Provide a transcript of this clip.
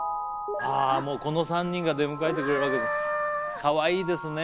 あもうこの３人が出迎えてくれるわけですかわいいですね